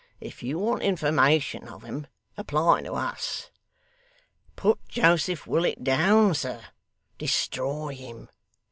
If you want information of 'em, apply to us. Put Joseph Willet down, sir. Destroy him.